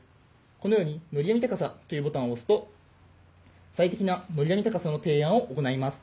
このように「のり網高さ」というボタンを押すと最適なのり網高さの提案を行います。